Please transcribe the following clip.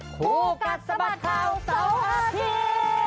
คู่กัดสะบัดข่าวเสาร์อาทิตย์